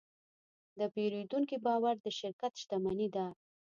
د پیرودونکي باور د شرکت شتمني ده.